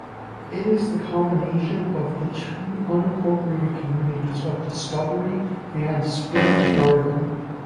It is the combination of the two unincorporated communities of Discovery and Spring Garden.